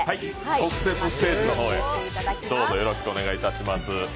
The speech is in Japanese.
特設ステージの方へ、どうぞよろしくお願いいたします。